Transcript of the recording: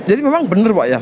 jadi memang benar pak ya